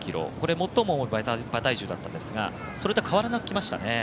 最も重い馬体重だったんですがそれと変わらなくきましたね。